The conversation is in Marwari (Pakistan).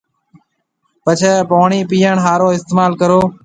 پڇيَ پاڻِي پيئڻ هارو استعمال ڪرو